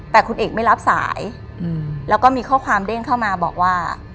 แต่คุณเอกไม่รับสายแล้วก็มีข้อความเด้งเข้ามาบอกว่า